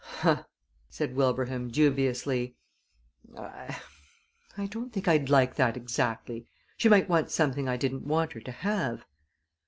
"Ha!" said Wilbraham, dubiously. "I I don't think I'd like that exactly. She might want something I didn't want her to have."